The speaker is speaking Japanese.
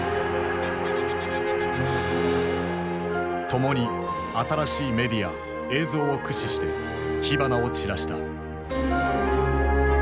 共に新しいメディア・映像を駆使して火花を散らした。